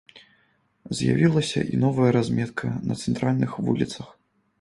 З'явілася і новая разметка на цэнтральных вуліцах.